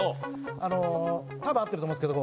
多分合ってると思うんですけど。